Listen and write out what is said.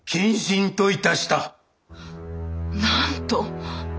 なんと。